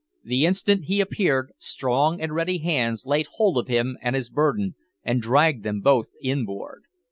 The instant he appeared, strong and ready hands laid hold of him and his burden, and dragged them both inboard.